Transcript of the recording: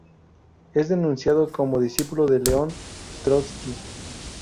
Es denunciado como discípulo de Leon Trotsky.